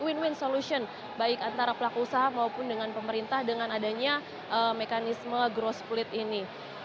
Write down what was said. win win solution baik antara pelaku usaha maupun dengan pemerintah dengan adanya mekanisme growth split ini